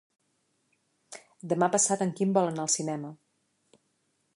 Demà passat en Quim vol anar al cinema.